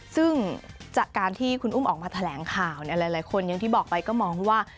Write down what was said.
ซึ่งจากการที่คุณอุ้มออกมาแถลงข่าวหลายคนอย่างที่บอกไปก็มองว่า